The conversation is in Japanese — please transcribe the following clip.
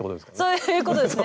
そういうことですね。